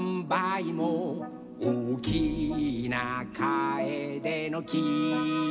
「おおきなカエデの木」